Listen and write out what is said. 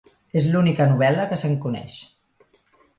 És l'única novel·la que se'n coneix.